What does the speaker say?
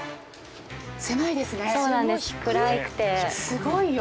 すごいよ。